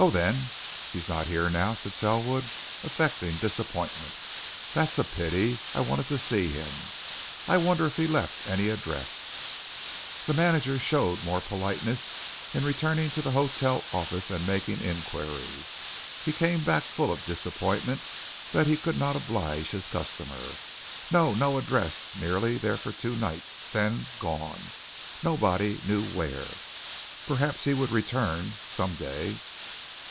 "Oh, then, he's not here now," said Selwood, affecting disappointment. "That's a pity. I wanted to see him. I wonder if he left any address?" The manager showed more politeness in returning to the hotel office and making inquiry. He came back full of disappointment that he could not oblige his customer. No no address merely there for two nights then gone nobody knew where. Perhaps he would return some day.